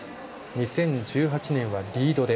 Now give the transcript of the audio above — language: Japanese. ２０１８年はリードで。